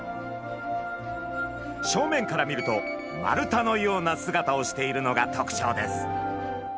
正面から見ると丸太のような姿をしているのがとくちょうです。